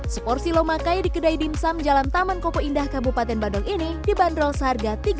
seporsi lomakai di kedai dimsum jalan taman koko indah kabupaten bandung ini dibanderol seharga